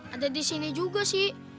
ada di sini juga sih